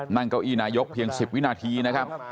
นั่งเก้าอี้นายกเพียง๑๐วินาทีนะครับ